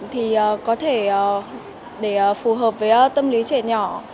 thì có thể để phù hợp với tâm lý trẻ nhỏ